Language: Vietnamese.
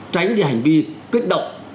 tránh cái hành vi kích động